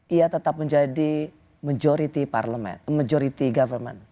ia tetap menjadi majority government